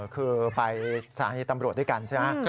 คือไปสถานีตำรวจด้วยกันใช่ไหม